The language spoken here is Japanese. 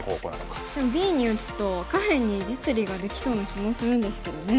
でもＢに打つと下辺に実利ができそうな気もするんですけどね。